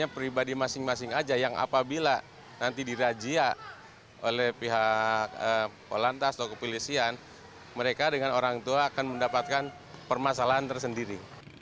pada polantas atau kepolisian mereka dengan orang tua akan mendapatkan permasalahan tersendiri